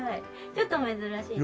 ちょっと珍しいです。